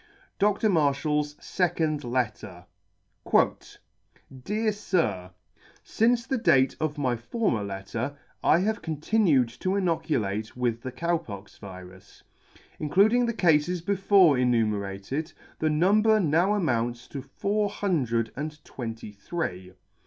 Dr. MARSHALL'S SECOND LETTER. Dear Sir, " Since the date of my former letter, I have continued to inoculate with the Cow pox virus. Including the cafes before enumerated, the number now amounts to four hundred and twenty three.